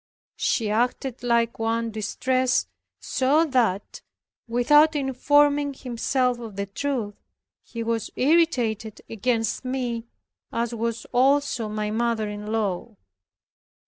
She acted like one distressed so that, without informing himself of the truth, he was irritated against me, as was also my mother in law.